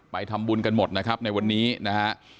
ทำบุญกันหมดนะครับในวันนี้นะฮะ